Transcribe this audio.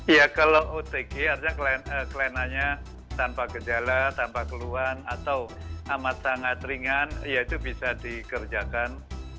ya kalau otg artinya kelenanya tanpa gejala tanpa keluhan atau amat sangat ringan ya itu bisa dikerjakan